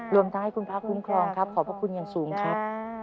รวมทั้งให้คุณพระคุ้มครองครับขอบพระคุณอย่างสูงครับ